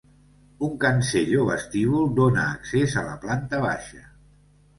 Un cancell o vestíbul dóna accés a la planta baixa.